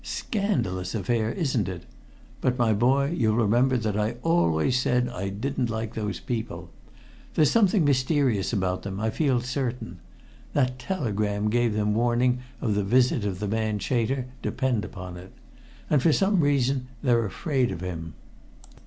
Scandalous affair, isn't it? But, my boy, you'll remember that I always said I didn't like those people. There's something mysterious about them, I feel certain. That telegram gave them warning of the visit of the man Chater, depend upon it, and for some reason they're afraid of him.